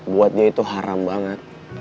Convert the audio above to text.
buat dia itu haram banget